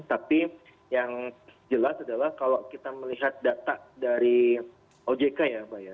tapi yang jelas adalah kalau kita melihat data dari ojk ya pak ya